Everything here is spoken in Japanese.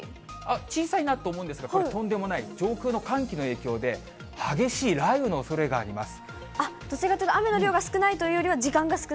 小さいなと思うんですが、これ、とんでもない、上空の寒気の影響で、激しい雷雨のおそれがあります。